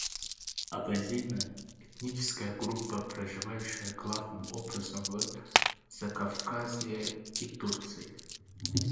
Абазины - этническая группа, проживающая главным образом в Закавказье и Турции.